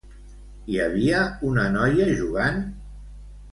Hi havia una noia jugant?